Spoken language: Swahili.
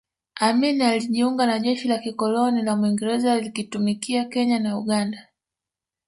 Amin alijiunga na jeshi la kikoloni la Mwingereza likitumikia Kenya na Uganda